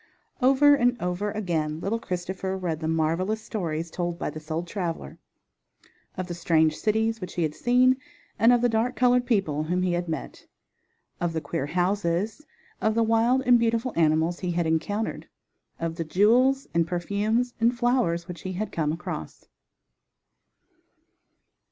Over and over again little Christopher read the marvelous stories told by this old traveler, of the strange cities which he had seen and of the dark colored people whom he had met; of the queer houses; of the wild and beautiful animals he had encountered; of the jewels and perfumes and flowers which he had come across.